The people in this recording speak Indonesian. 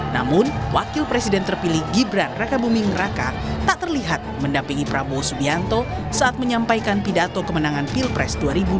namun wakil presiden terpilih gibran raka buming raka tak terlihat mendampingi prabowo subianto saat menyampaikan pidato kemenangan pilpres dua ribu dua puluh